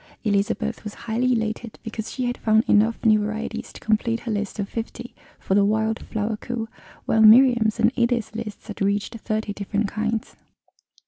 Elizabeth was highly elated because she had found enough new varieties to complete her list of fifty for the Wild Flower coup, while Miriam's and Edith's lists had reached thirty different kinds.